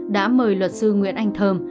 đã mời luật sư nguyễn anh thơm